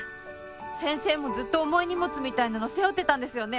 先生もずっと重い荷物みたいなの背負ってたんですよね？